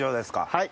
はい。